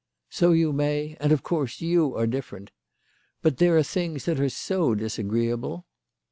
" So you may ; and of course you are different. But there are things that are so disagreeable